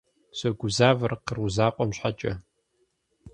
Согузавэр къру закъуэм щхьэкӏэ.